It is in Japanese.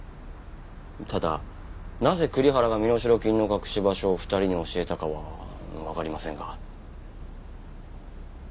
ただなぜ栗原が身代金の隠し場所を２人に教えたかはわかりませんが。